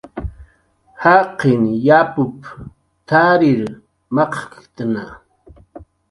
"Jaqin yapup"" t""arir maq""tna"